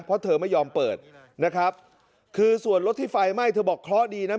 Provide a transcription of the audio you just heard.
เพราะเธอไม่ยอมเปิดนะครับคือส่วนรถที่ไฟไหม้เธอบอกเคราะห์ดีนะ